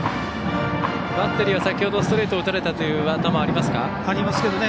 バッテリーは先ほどストレートを打たれたという頭はありますか？